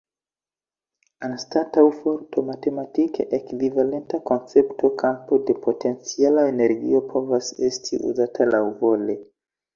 Anstataŭ forto, matematike ekvivalenta koncepto, kampo de potenciala energio, povas esti uzata laŭvole.